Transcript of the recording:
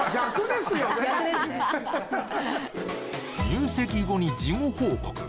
入籍後に事後報告